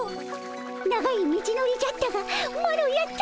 長い道のりじゃったがマロやったでおじゃる。